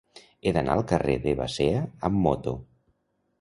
He d'anar al carrer de Basea amb moto.